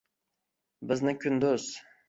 Bizni kunduz